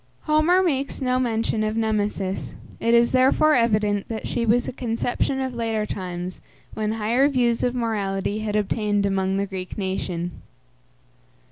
Homer makes no mention of Nemesis; it is therefore evident that she was a conception of later times, when higher views of morality had obtained among the Greek nation.